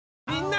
みんな！